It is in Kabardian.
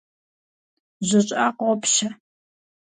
Жьы щӀыӀэ къопщэ.